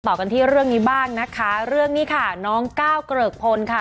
ต่อกันที่เรื่องนี้บ้างนะคะเรื่องนี้ค่ะน้องก้าวเกริกพลค่ะ